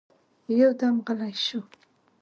يودم غلی شو.